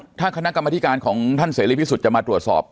ถ้าคณะกรรมธิการของท่านเสรีพิสุทธิ์จะมาตรวจสอบ